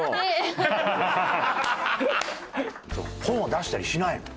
本を出したりしないの？